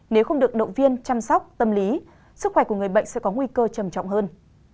nếu không được động viên chăm sóc tâm lý sức khỏe của người bệnh sẽ có nguy cơ trầm trọng hơn